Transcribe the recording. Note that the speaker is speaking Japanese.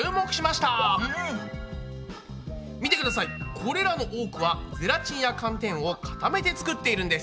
これらの多くはゼラチンや寒天を固めて作っているんです。